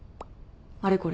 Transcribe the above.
あれこれ？